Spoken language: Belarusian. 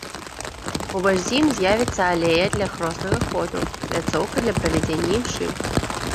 Побач з ім з'явіцца алея для хроснага ходу, пляцоўка для правядзення імшы.